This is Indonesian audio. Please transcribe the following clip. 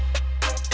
aku sudah jatuh